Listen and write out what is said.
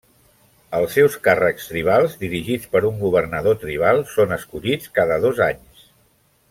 Els seus càrrecs tribals, dirigits per un governador tribal, són escollits cada dos anys.